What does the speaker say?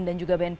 dan juga bnpb